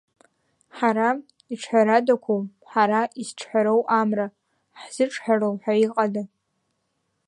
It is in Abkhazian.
Ҳара иҿҳәарадақәоу, ҳара изҿҳәароу амра, ҳзыҿҳәароу ҳәа иҟада?